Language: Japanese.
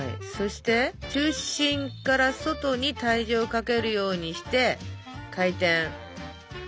そして中心から外に体重をかけるようにして回転。